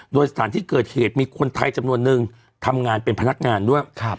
โดยสถานที่เกิดเหตุมีคนไทยจำนวนนึงทำงานเป็นพนักงานด้วย